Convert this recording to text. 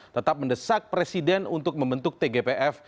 tetap mendesak presiden untuk membentuk tgpf